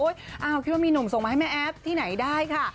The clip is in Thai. คิดว่ามีหนุ่มส่งมาให้แม่แอฟที่ไหนได้ค่ะ